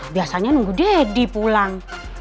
biasanya nunggu daddy pulang